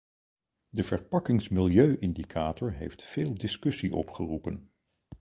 De verpakkingsmilieu-indicator heeft veel discussie opgeroepen.